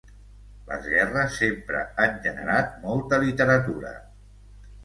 Les guerres sempre han generat molta literatura.